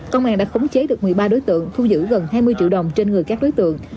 công an đã khống chế được một mươi ba đối tượng thu giữ gần hai mươi triệu đồng trên người các đối tượng